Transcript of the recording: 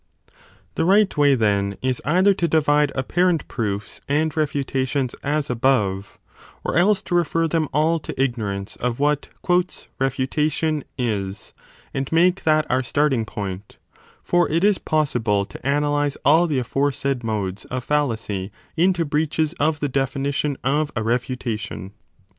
The right way, then, is either to divide apparent proofs 6 and refutations as above, or else to refer them all to ignor ance of what refutation is, and make that our starting point : for it is possible to analyse all the aforesaid modes 20 of fallacy into breaches of the definition of a refutation.